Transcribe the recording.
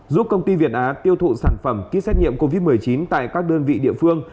giúp công ty việt á tiêu thụ sản phẩm ký xét nghiệm covid một mươi chín tại các đơn vị địa phương